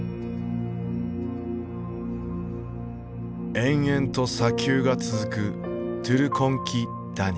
延々と砂丘が続くトゥルコン・キ・ダニ。